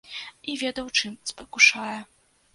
І ведаў, чым спакушае.